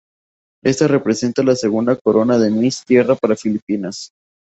Esta representa la segunda corona de Miss Tierra para Filipinas.